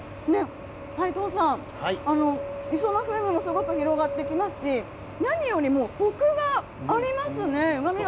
斎藤さん、磯の風味もすごく広がってきますし、何よりもこくがありますね。